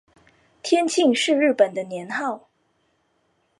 天庆是日本的年号。